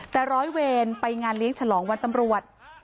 แต่ร้อยเวรไปงานเลี้ยงฉลองวันตำรวจ